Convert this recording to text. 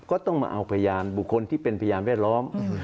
ก็ต้องมาเอาพยานบุคคลที่เป็นพยานแวดล้อม